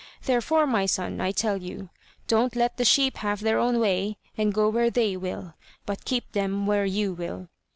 Therefore, my son, I tell you, don't let the sheep have their own way and go where they will, but keep them where you will."